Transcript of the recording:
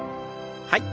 はい。